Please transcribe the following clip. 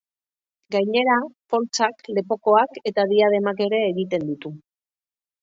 Gainera, poltsak, lepokoak eta diademak ere egiten ditu.